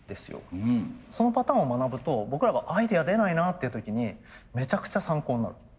そのパターンを学ぶと僕らがアイデア出ないなっていう時にめちゃくちゃ参考になる。